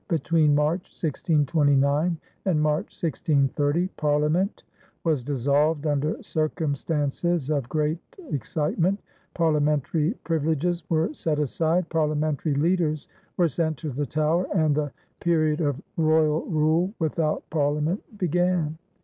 Between March, 1629, and March, 1630, Parliament was dissolved under circumstances of great excitement, parliamentary privileges were set aside, parliamentary leaders were sent to the Tower, and the period of royal rule without Parliament began.